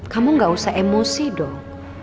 kamu gak usah emosi dong